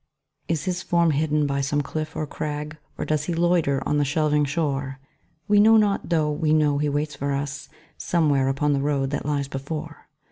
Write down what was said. Is his form hidden by some cliff or crag, Or does he loiter on the shelving shore? We know not, though we know he waits for us, Somewhere upon the road that lies before.